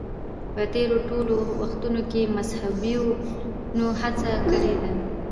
په تېرو ټولو وختونو کې مذهبيونو هڅه کړې ده.